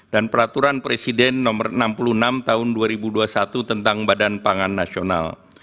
dan peraturan presiden nomor enam puluh enam tahun dua ribu dua puluh satu tentang badan pangan nasional